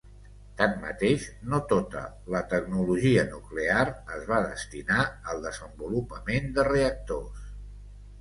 Tanmateix, no tota la tecnologia nuclear es va destinar al desenvolupament de reactors.